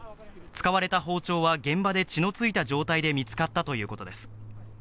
使われた包丁は、現場で血のついた状態で見つかったということです。